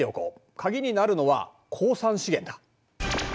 鍵になるのは鉱産資源だ。